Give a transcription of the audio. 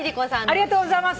ありがとうございます。